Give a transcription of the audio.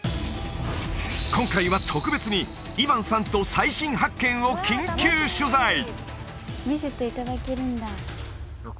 今回は特別にイヴァンさんと最新発見を緊急取材！